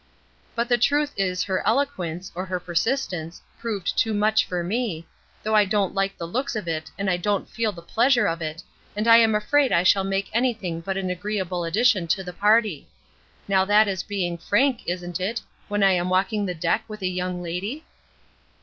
But the truth is her eloquence, or her persistence, proved too much for me, though I don't like the looks of it, and I don't feel the pleasure of it, and I am afraid I shall make anything but an agreeable addition to the party. Now that is being frank, isn't it, when I am walking the deck with a young lady?"